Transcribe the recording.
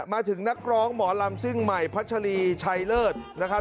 มาถึงนักร้องหมอลำซิ่งใหม่พัชรีชัยเลิศนะครับ